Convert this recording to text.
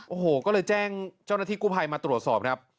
โอ้โหก็เลยแจ้งเจ้าหน้าที่กู้ภัยมาตรวจสอบครับ